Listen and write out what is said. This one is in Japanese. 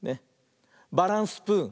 「バランスプーン」！